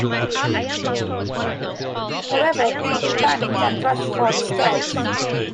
However, people panicked and rushed for the stairs.